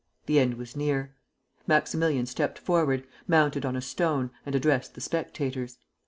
The end was near. Maximilian stepped forward, mounted on a stone, and addressed the spectators.